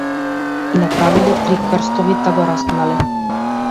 И направиле три крстови та го распнале.